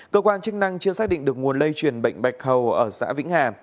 cơ quan chức năng chưa xác định được nguồn lây truyền bệnh bạch hầu ở xã vĩnh hà